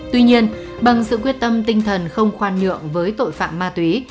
tuy nhiên bằng sự quyết tâm tinh thần không khoan nhượng với tội phạm ma túy